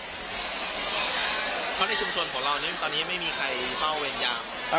เพราะในชุมชนของเราตอนนี้ไม่มีใครเฝ้าเวรยาม